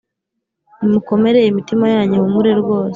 Nimukomere imitima yanyu ihumure rwose